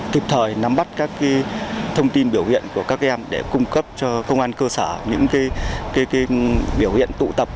kịp thời nắm bắt các thông tin biểu hiện của các em để cung cấp cho công an cơ sở những biểu hiện tụ tập